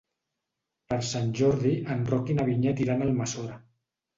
Per Sant Jordi en Roc i na Vinyet iran a Almassora.